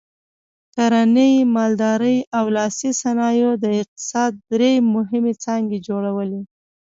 کرنې، مالدارۍ او لاسي صنایعو د اقتصاد درې مهمې څانګې جوړولې.